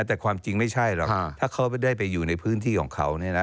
แต่ความจริงไม่ใช่หรอกถ้าเขาได้ไปอยู่ในพื้นที่ของเขา